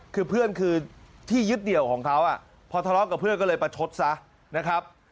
คือเพื่อนคือที่ยึดเดี่ยวของเขาพอทะเลาะกับเพื่อนก็เลยประชดซะนะครับ